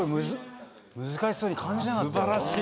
難しそうに感じなかった。